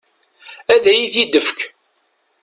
Ad iyi-t-id-ifek.